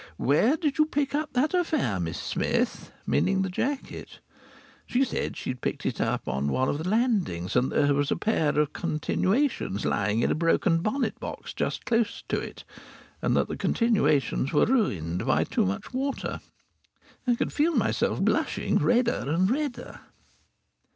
Where did you pick up that affair, Miss Smith?" Meaning the jacket. She said she had picked it up on one of the landings, and that there was a pair of continuations lying in a broken bonnet box just close to it, and that the continuations were ruined by too much water. I could feel myself blushing redder and redder.